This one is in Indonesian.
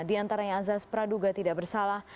di antaranya azas praduga tidak bersalah